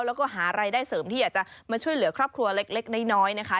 แล้วก็หารายได้เสริมที่อยากจะมาช่วยเหลือครอบครัวเล็กน้อยนะคะ